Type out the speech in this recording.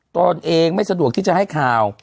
ตนเองไม่สะดวกที่จะให้ข่าว